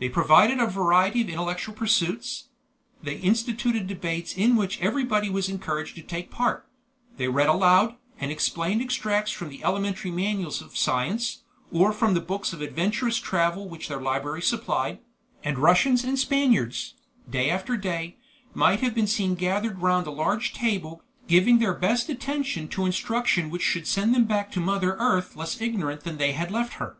They provided a variety of intellectual pursuits; they instituted debates in which everybody was encouraged to take part; they read aloud, and explained extracts from the elementary manuals of science, or from the books of adventurous travel which their library supplied; and Russians and Spaniards, day after day, might be seen gathered round the large table, giving their best attention to instruction which should send them back to Mother Earth less ignorant than they had left her.